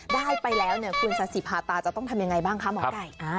ได้ไปแล้วคุณสสิพาดาจะต้องทำอย่างไรบ้างคะหมอไก่